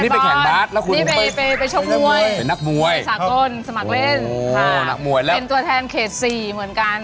ไปแข่งบาร์ดสเก็บบอร์ดไปชมมวยสหกลสมัครเล่นค่ะเป็นตัวแทนเขต๔เหมือนกัน